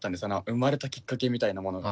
生まれたきっかけみたいなものが。